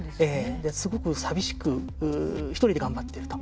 すごくさびしく１人で頑張っていると。